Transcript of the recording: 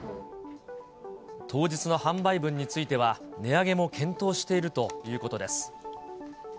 当日の販売分については、値上げも検討しているということです。